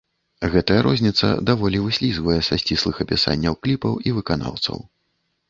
Гэтая розніца даволі выслізгвае са сціслых апісанняў кліпаў і выканаўцаў.